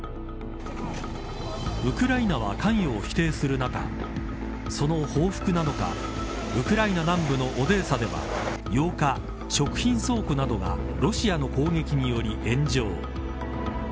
ウクライナは関与を否定する中その報復なのかウクライナ南部のオデーサでは８日、食品倉庫などがロシアの攻撃により炎上。